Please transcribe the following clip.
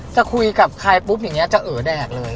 จะคุยกับใครปุ๊บอย่างนี้จะเอ๋อแดกเลย